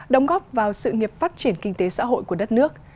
đóng góp vào sự nghiệp phát triển kinh tế xã hội của đất nước